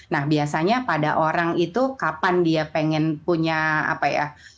nah biasanya pada orang itu kapan dia pengen punya apa ya